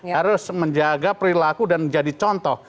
harus menjaga perilaku dan menjadi contoh